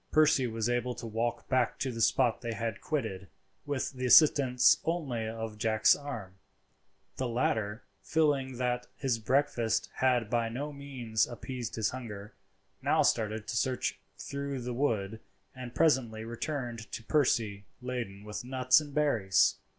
Percy was able to walk back to the spot they had quitted, with the assistance only of Jack's arm. The latter, feeling that his breakfast had by no means appeased his hunger, now started for a search through the wood, and presently returned to Percy laden with nuts and berries.